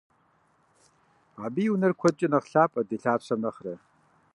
Абы и унэр куэдкӀэ нэхъ лъапӀэт ди лъапсэм нэхърэ.